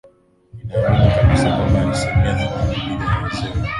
inaamini kabisa kwamba asilimia themanini na mbili ya wazee wote